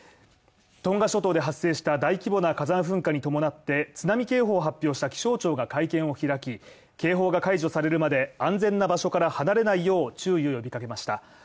トンガ諸島で発生した大規模な火山噴火に伴って、津波警報発表した気象庁が会見を開き、警報が解除されるまで、安全な場所から離れないよう注意を呼び掛けました。